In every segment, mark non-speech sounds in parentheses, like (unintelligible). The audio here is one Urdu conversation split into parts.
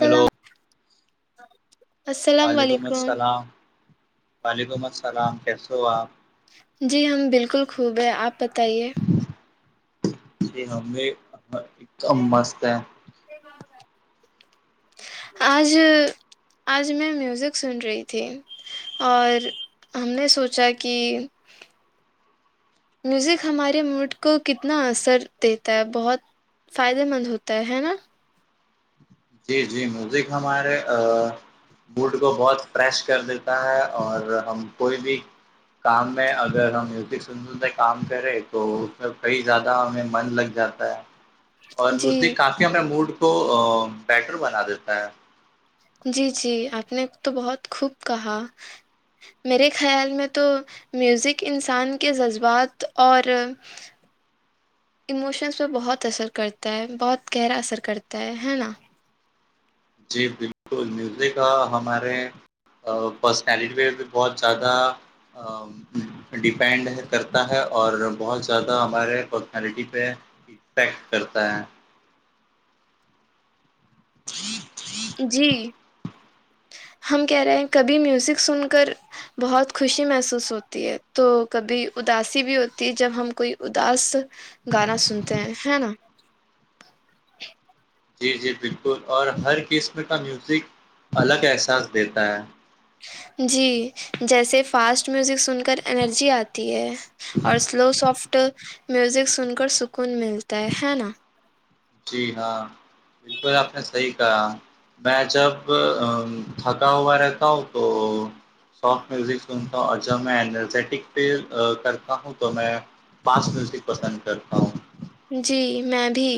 ہیلو اللام السلام وعلیکم علیکم السلام وعلیکم السلام کیسے ہو آپ جی ہم بالکل خوب ہیں آپ بتائیے ج ہمیں ایک دم مست ہے آج آج میں میوزک سن رہی تھی اور ہم نے سوچا کہ میوزک ہمارے موڈ کو کتنا اثر دیتا ہے بہت فائدے مند ہوتا ہے نا جی جی مزک ہمارے بوڈ کو بہت فریش کر دیتا ہے اور ہم کوئی بھی کام میں اگر ہم میوزک سن سنتے کام کرے تو اس میں کئی زیادہ ہمیں من لگ جاتا ہے اور جی اسی کافی ہمنے موڈ کو بیٹر بنا دیتا ہے جی جی آپ نے تو بہت خوب کہا میرے خیال میں تو میوزک انسان کے جذبات اور ایموشنس پہ بہت اثر کرتا ہے بہت گہرا اثر کرتا ہے ہے نا جی بالکل میوزک ہمارے پرسنالٹی پ بھی بہت زیادہ ڈیپینڈ ہے کرتا ہے اور بہت زیادہ ہمارے پرسنالٹی پہ یکٹ کرتا ہے جی جی (unintelligible) (inaudible) جی ہم کہہ رہے ہیں کبھی میوزک سن کر بہت خوشی محسوس ہوتی ہے تو کبھی اداسی بھی ہوتی ہے جب ہم کوئی اداس گانا سنتے ہیں ہے نا جی جی بالکل اور ہر قسم کا میوزک الگ احساس دیتا ہے جی جیسے فاسٹ میوزک سن کر انرجی آتی ہے اور سلو سافٹ میوزک سن کر سکون ملتا ہے ہے نا جی ہاں بالکل آپ نے صحیح کہا میں جب تھکا ہوا رہتا ہوں تو سافٹ میوزک سنتا ہوں اور جب میں انرجیٹک فیل کرتا ہوں تو میں پاسٹ میوزک پسند کرتا ہوں جی میں بھی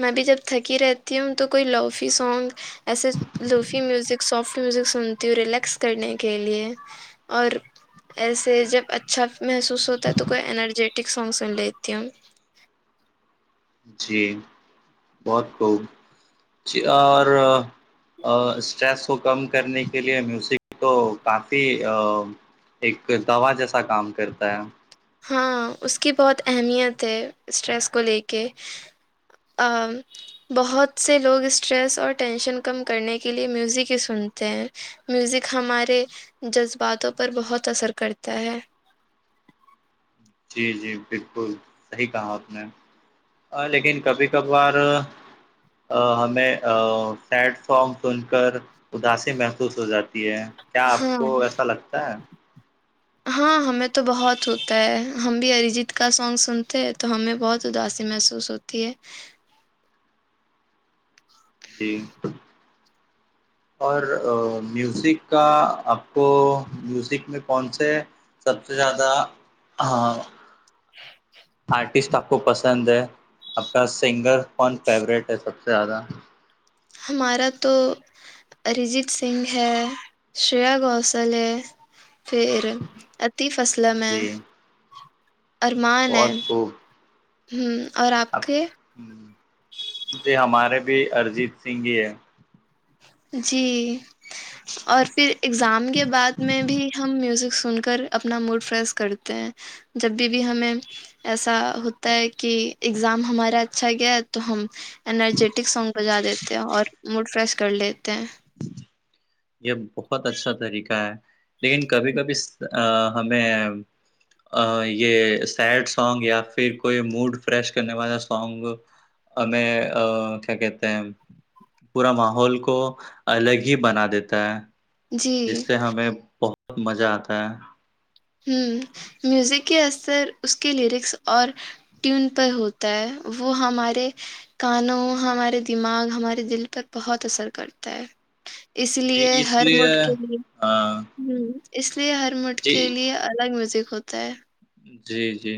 میں بھی جب تھکی رہتی ہوں تو کوئی لوفی سونگ ایسے لوفی میوزک سافٹ میوزک سنتی ہوں ریلیکس کرنے کے لیے اور ایسے جب اچھا محسوس ہوتا ہے تو کوئی انرجیٹک سانگ سن لیتی ہوں (inaudible) جی بہت خوب جی اور اسٹریس کو کم کرنے کے لیے میوزک تو کافی ایک دوا جیسا کام کرتا ہے ہاں اس کی بہت اہمیت ہے اسٹریس کو لے کے ا بہت سے لوگ اسٹریس اور ٹینشن کم کرنے کے لیے میوزک ہی سنتے ہیں میوزک ہمارے جذباتوں پر بہت اثر کرتا ہے جی جی بالکل صحیح کہا آپ نے لیکن کبھی کبھار ہمیں سیڈ سانگ سن کر اداسی محسوس ہو جاتی کیا آپ ہاں کو ایسا لگتا ہے ہاں ہمیں تو بہت ہوتا ہے ہم بھی اریجیت کا سانگ سنتے ہیں تو ہمیں بہت اداسی محسوس ہوتا تی جی اور میوزک کا آپ کو میوزک میں کون سے سب سے زیادہ ہاں آرٹسٹ آپ کو پسند ہے آپ کا سنگر کون فیوریٹ ہے سب سے زیادہ ہمارا تو اریجیت سنگھ ہے شرییا گوسل ہے پھر اتی فصلیں میں جی ارمان بہت ہیں خوب ہ اور آپ کے ہ یہ ہمارے بھی ارجیت سنگھ ہی ہے جی اور پھر ایگزام کے بعد میں بھی ہم میوزک سن کر اپنا موڈ فریش کرتے ہیں جب بھی بھی ہمیں ایسا ہوتا ہے کہ اگزام ہمارا اچھا گیا تو ہم انرجیٹک سونگ بجا دیتے ہیں اور موڈ فریش کر لیتے ہیں یہ بہت اچھا طریقہ ہے لیکن کبھی کبھی ہمیں یہ سیڈ سانگ یا پھر کوئی موڈ فریش کرنے والا سانگ ہمیں کیا کہتے ہیں پورا ماحول کو الگ ہی بنا دیتا ہے جی جس سے ہمیں بہت مزہ آتا ہے ہوں میوزک کے اثر اس کے لیرکس اور ٹیون پر ہوتا ہے وہ ہمارے کانوں ہمارے دماغ ہمارے دل پر بہت اثر کرتا ہے اس جی لیے اس ہر لیے موڈ کے لیے ہ اس لیے ہر مٹھ کے جی لیے الگ میوزک ہوتا ہے جی جی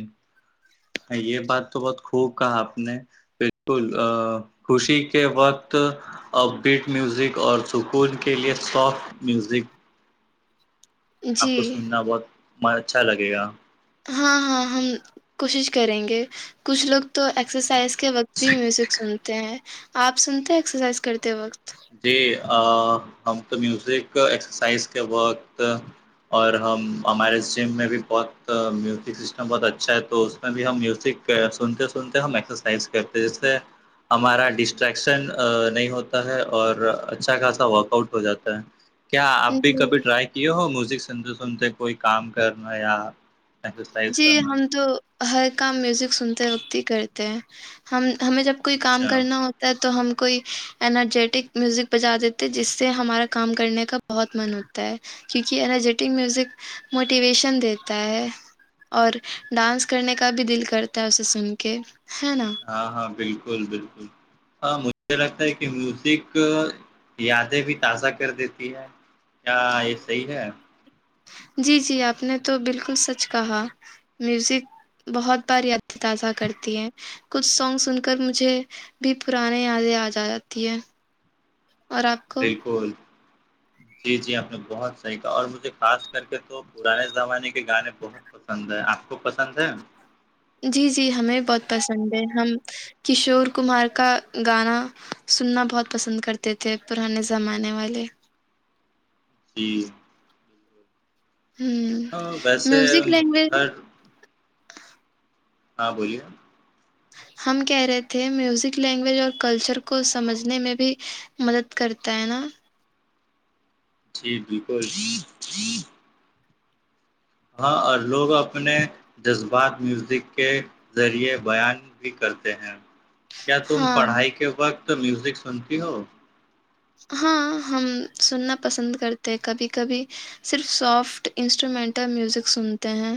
یہ بات تو بہت خوب کہا آپ نے بالکل ا خوشی کے وقت اپ بیٹ میوزک اور سکون کے لیے سافٹ میوزک ہے آپ جی کو سننا بہت اچھا لگے گا ہاں ہاں ہم کوشش کریں گے کچھ لوگ تو ایکسرسائز کے وقت بھی میوزک سنتے ہیں آپ سنتے ہیں ایکسرسائز کرتے وقت جی ہم تو میوزک ایکسرسائز کے وقت اور ہم ہمارے جم میں بھی بہت میوزک سسٹم بہت اچھا ہے تو اس میں بھی ہم میوزک سنتے سنتے ہم ایکسرسائز کرتے جیسے ہمارا ڈسٹریکشن نہیں ہوتا ہے اور اچھا خاصا ورک آؤٹ ہو جاتا ہے کیا جی آپ بھی کبھی ٹرائی ہو میوزک سنتے سنتے کوئی کام کرنا یا ایکسرسائز جی کرنا ہم تو ہر کام میوزک سنتے وقتی کرتے ہیں ہم ہمیں جب کوئی کام اچھا کرنا ہوتا تو ہم کوئی انرجیٹک میوزک بجا دیتے جس سے ہمارا کام کرنے کا بہت من ہوتا ہے کیونکہ انرجیٹک میوزک موٹیویشن دیتا ہے اور ڈانس کرنے کا بھی دل کرتا ہے اسے سن کے ہے نا ہاں ہاں بالکل بالکل ہاں مجھے لگتا ہے کہ میوزک یادیں بھی تازہ کر دیتی ہے کیا یہ صحیح ہے جی جی آپ نے تو بالکل سچ کہا میوزک بہت بار یادت تازہ کرتی ہیں کچھ سانگ سن کر مجھے بھی پرانیے یادیں آج آ جاتی ہیں بالکل جی جی آپ نے بہت صحیح کہا اور مجھے خاص کر کے تو پرانے زمانے کے گانے بہت پسند ہے آپ کو پسند ہے جی جی ہمیں بہت پسند ہے ہم کشور کمار کا گانا سننا بہت پسند کرتے تھے پرانے زمانے والے چیز ہاں ویسے میوزک لگوج ہر ہاں بولیے ہم کہہ رہے تھے میوزک لینگویج اور کلچر کو سمجھنے میں بھی مدد کرتا ہے نا جی بالکل ہاں اور لوگ اپنے جذبات میوزک کے ذریعے بیان بھی کرتے ہیں کیا تم ہاں پڑھائی کے وقت میوزک سنتی ہو ہاں ہم سننا پسند کرتے ہیں کبھی کبھی صرف سافٹ انسٹرومینٹل میوزک سنتے ہیں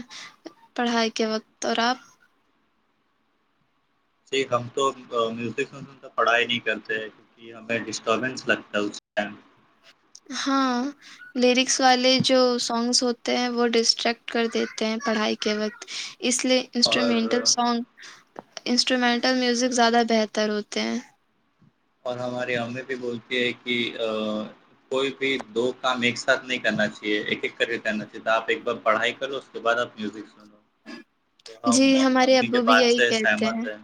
پڑھائی کے وقت اور آپ س ہم تو میزک وزک تو پڑھائی نہیں کرتے ہیں ہمیں ڈسٹربینس لگتا ہے اس ٹائم ہاں لیرکس والے جو سانگس ہوتے ہیں وہ ڈسٹریکٹ کر دیتے ہیں پڑھائی کے وقت اس لیے اور انسٹرومینٹل سانگ انسٹرومینٹل میوزک زیادہ بہتر ہوتے ہیں اور ہماری ہمیں بھی بولتی ہے کہ کوئی بھی دو کام ایک ساتھ نہیں کرنا چاہیے ایک ایک کر کے کرنا چاہیے تو آپ ایک بار پڑھائی کرو اس کے بعد آپ میوزک سنو تو ہم جی اپنی ہمارے امی کے ابو بھی بعد یہی سے کہتے سہمت ہیں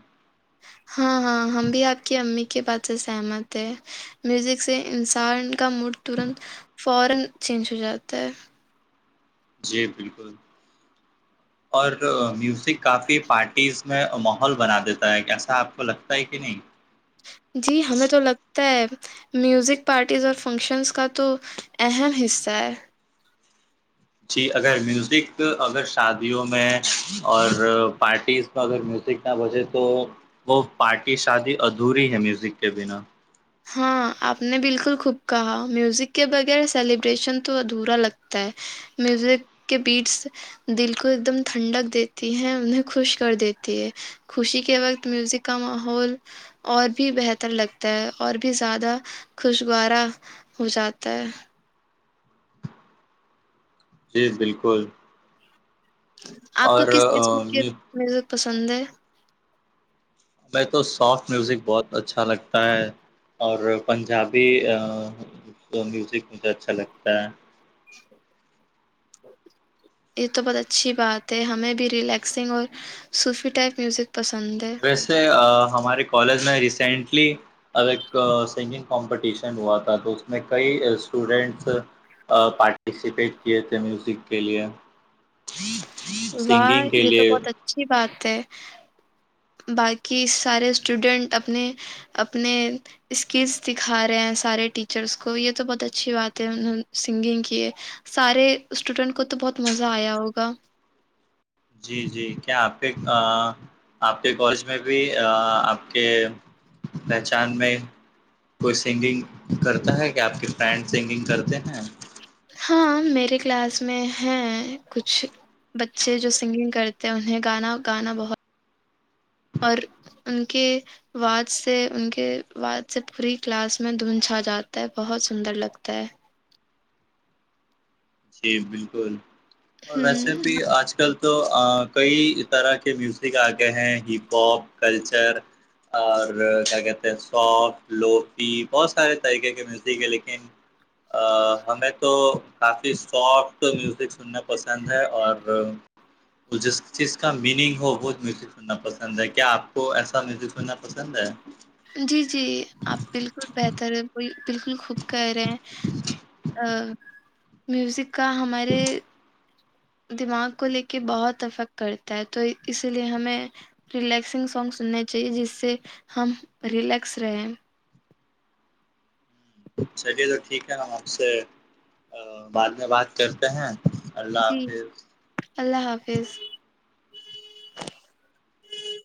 ہاں ہاں ہم بھی آپ کی امی کے بات سے سہمت ہیں میوزک سے انسان کا موڈ ترنت فورن چینج ہو جاتا ہے جی بالکل اور میوزک کافی پارٹیز میں ماحول بنا دیتا ہے کیسا آپ کو لگتا ہے کہ نہیں جی ہمیں تو لگتا ہے میوزک پارٹیز اور فنکشنز کا تو اہم حصہ ہے جی اگر میوزک اگر شادیوں میں اور پارٹیز اگر میوزک نہ بچے تو وہ پارٹی شادی ادھوری ہے میوزک کے بنا ہاں آپ نے بالکل خوب کہا میوزک کے بغیر سیلیبریشن تو ادھورا لگتا ہے میوزک کے بیڈس دل کو ایک دم ٹھنڈک دیتی ہے انہیں خوش کر دیتی ہے خوشی کے وقت میوزک کا ماحول اور بھی بہتر لگتا ہے اور بھی زیادہ خوشگوارا ہو جاتا ہے جی بالکل آپ کو اور کس قسم کی میں میوزک پسند ہے میں تو سافٹ میوزک بہت اچھا لگتا ہے اور پنجابی میوزک مجھے اچھا لگتا ہے (inaudible) (inaudible) یہ تو بہت اچھی بات ہے ہمیں بھی ریلیکسنگ اور صوفی ٹائپ میوزک پسند ہے ویسے ہمارے کالج میں ریسینٹلی اب ایک سنگنگ کمپٹیشن ہوا تھا تو اس میں کئی اسٹوڈینٹس پارٹیسپیٹ کیے تھے میوزک کے لیے واہ سنگنگ کے یہ تو لیے بہت اچھی بات ہے باقی سارے اسٹوڈینٹ اپنے اپنے اسکلس دکھا رہے ہیں سارے ٹیچرس کو یہ تو بہت اچھی بات ہے انہوں سنگنگ کی سارے اسٹوڈینٹ کو تو بہت مزہ آیا ہوگا جی جی کیا آپہ آپ کے کالج میں بھی آپ کے پہچان میں کوئی سنگنگ کرتا ہے کہ آپ کی فرینڈ سنگنگ کرتے ہیں ہاں میرے کلاس میں ہیں کچھ بچے جو سنگنگ کرتے ہیں انہیں گانا گانا بہت اور ان کے (unintelligible) واز سے ان کے واز سے پوری کلاس میں دھن چھا جاتا ہے بہت سندر لگتا ہے جی بالکل اور ویسے بھی ہ آج کل تو کئی طرح کے میوزک آگئے ہیں ہپ ہاپ کلچر اور کیا کہتے ہیں سوفٹ لوفی بہت سارے طریقے کے مزیک ہے لیکن ہمیں تو کافی سافٹ میوزک سننا پسند ہے اور جس چیز کا میننگ ہو وہت میز سننا پسند ہے کیا آپ کو ایسا میوزک سننا پسند ہے جی جی آپ بالکل بہتر ہے وہ بالکل خوب کہہ رہے ہیں ا میوزک کا ہمارے دماغ کو لے کے بہت افیکٹ کرتا ہے تو اسی لیے ہمیں ریلیکسنگ سانگ سننا چاہیے جس سے ہم ریلیکس رہیں چلیے تو ٹھیک ہے ہم آپ سے بعد میں بات کرتے ہیں اللہ جی حافظ اللہ حافظ